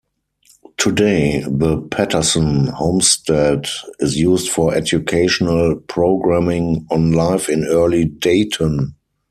Today, the Patterson Homestead is used for educational programming on life in early Dayton.